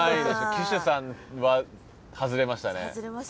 騎手さんは外れましたね。